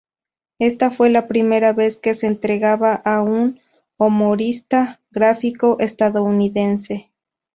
Esta fue la primera vez que se entregaba a un humorista gráfico estadounidense.